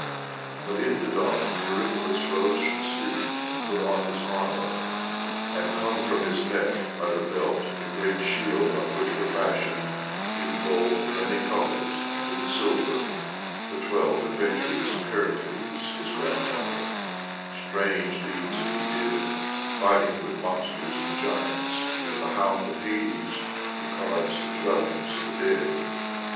But in the dawn Eurypylus rose from sleep and put on his armour, and hung from his neck by the belt the great shield on which were fashioned, in gold of many colours and in silver, the Twelve Adventures of Heracles, his grandfather; strange deeds that he did, fighting with monsters and giants and with the Hound of Hades, who guards the dwellings of the dead.